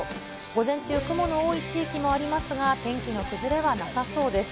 午前中、雲の多い地域もありますが、天気の崩れはなさそうです。